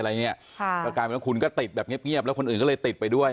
แล้วคุณก็ติดแบบเงียบแล้วคนอื่นก็เลยติดไปด้วย